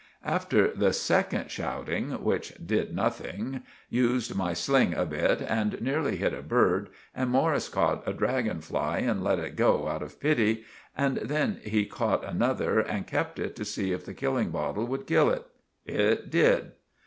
After the second shouting, which did nothing, used my sling a bit and neerly hit a bird, and Morris cought a draggon fly and let it go out of pitty, and then he cought another and kept it to see if the killing bottle would kill it. It did.